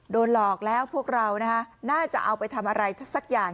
โดนหลอกแล้วพวกเราน่าจะเอาไปทำอะไรสักอย่าง